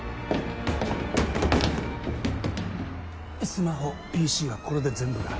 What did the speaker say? スマホＰＣはこれで全部か？